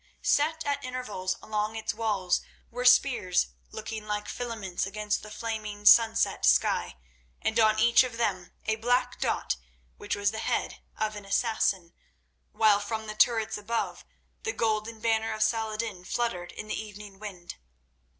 Set at intervals along its walls were spears, looking like filaments against the flaming, sunset sky, and on each of them a black dot, which was the head of an Assassin, while from the turrets above, the golden banner of Saladin fluttered in the evening wind.